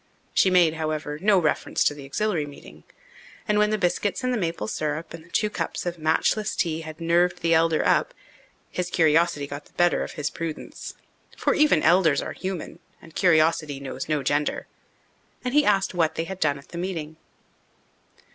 She made, however, no reference to the Auxiliary meeting, and when the biscuits and the maple syrup and two cups of matchless tea had nerved the elder up, his curiosity got the better of his prudence for even elders are human and curiosity knows no gender and he asked what they had done at the meeting.